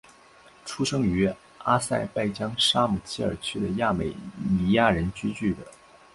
出生于阿塞拜疆沙姆基尔区的亚美尼亚人聚居的。